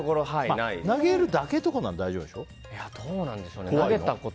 投げるだけなら大丈夫でしょ？